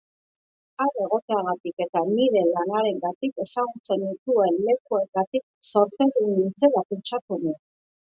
Han egoteagatik eta nire lanarengatik ezagutzen nituen lekuengatik zortedun nintzela pentsatu nuen.